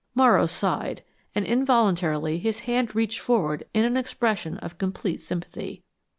Morrow sighed, and involuntarily his hand reached forward in an expression of complete sympathy.